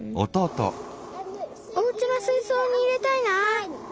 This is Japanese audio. おうちのすいそうに入れたいな。